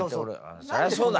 そりゃそうだ！